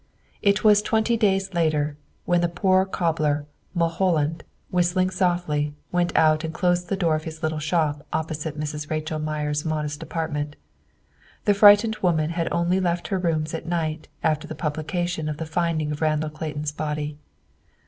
It was twenty days later when the poor cobbler Mulholland, whistling softly, went out and closed the door of his little shop opposite Mrs. Rachel Meyer's modest apartment. The frightened woman had only left her rooms at night after the publication of the finding of Randall Clayton's body.